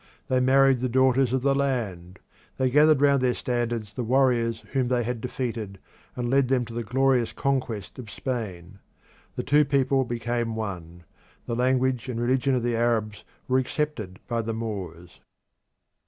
They married the daughters of the land; they gathered round their standards the warriors whom they had defeated, and led them to the glorious conquest of Spain. The two peoples became one; the language and religion of the Arabs were accepted by the Moors.